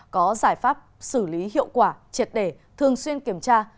có giải pháp xử lý hiệu quả triệt để thường xuyên kiểm tra